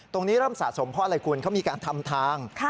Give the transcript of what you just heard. ตรงนี้เริ่มสะสมเพราะอะไรคุณเขามีการทำทาง